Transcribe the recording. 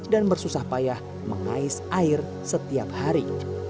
dan bersusah payah mengais air setiap hari